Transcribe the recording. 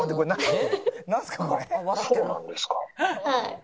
はい。